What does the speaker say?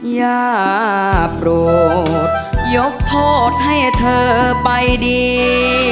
อย่าโปรดยกโทษให้เธอไปดี